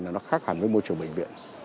nó khác hẳn với môi trường bệnh viện